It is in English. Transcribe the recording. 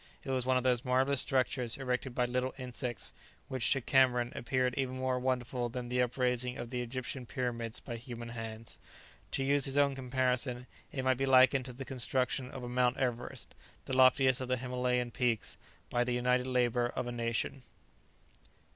It was one of those marvellous structures erected by little insects, which to Cameron appeared even more wonderful than the upraising of the Egyptian pyramids by human hands. To use his own comparison, it might be likened to the construction of a Mount Everest, the loftiest of the Himalayan peaks, by the united labour of a nation.